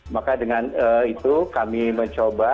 maka dengan itu kami mencoba